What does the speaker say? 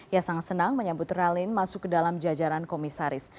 ia sangat senang menyambut ralin masuk ke dalam jajaran komisaris